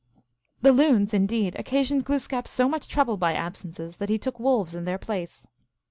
The Loons, indeed, occasioned Glooskap so much trouble by absences that he took wolves in their place.